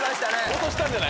音したんじゃない？